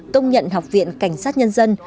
công nhận học viện cảnh sát nhân dân